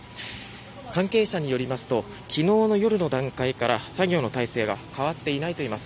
関係者によりますと昨日の夜の段階から作業の態勢が変わっていないといいます。